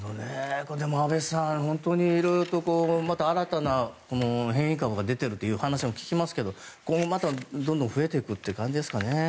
でも、安部さん、本当に色々と、新たな変異株も出ているという話も聞きますけど今後またどんどん増えていくという感じですかね。